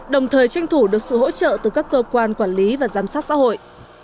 đồng thời tranh thủ được sự hỗ trợ từ các cơ quan quản lý và giám sát xã hội